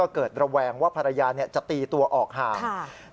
ระแวงว่าภรรยาจะตีตัวออกห่าง